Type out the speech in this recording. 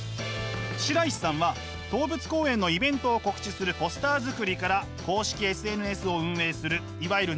白石さんは動物公園のイベントを告知するポスター作りから公式ＳＮＳを運営するいわゆる「中の人」まで